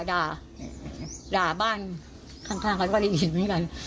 ด่าบ้านข้างพอพอได้เห็นไหมกัน